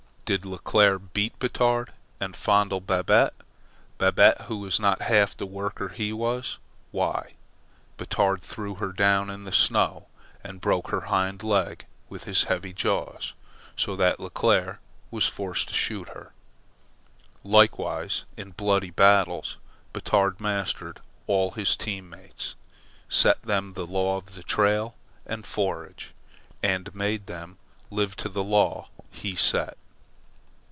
Did Leclere beat Batard and fondle Babette Babette who was not half the worker he was why, Batard threw her down in the snow and broke her hind leg in his heavy jaws, so that Leclere was forced to shoot her. Likewise, in bloody battles, Batard mastered all his team mates, set them the law of trail and forage, and made them live to the law he set.